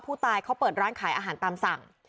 ผู้ตายเขาเปิดร้านขายอาหารตามสั่ง